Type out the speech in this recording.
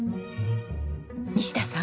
西田さん。